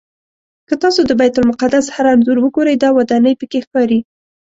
که تاسو د بیت المقدس هر انځور وګورئ دا ودانۍ پکې ښکاري.